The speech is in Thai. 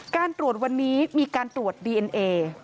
การตรวจวันนี้มีการตรวจดีเอ็นเอ